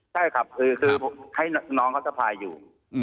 ใช่ครับคือให้น้องเขาสะพายอยู่